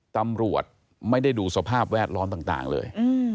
ตำรวจไม่ได้ดูสภาพแวดล้อมต่างเลย